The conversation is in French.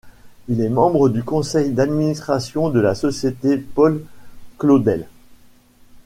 Il est membre du conseil d'administration de la Société Paul-Claudel.